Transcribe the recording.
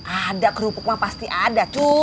ada kerupuk mah pasti ada tuh